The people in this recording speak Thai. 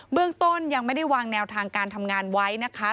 เรื่องต้นยังไม่ได้วางแนวทางการทำงานไว้นะคะ